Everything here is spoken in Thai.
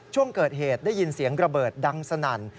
ช่วงเกิดเหตุได้ยินเสียงระเบิดดังสนั่น